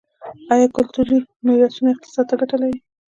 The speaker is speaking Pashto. آیا کلتوري میراثونه اقتصاد ته ګټه لري؟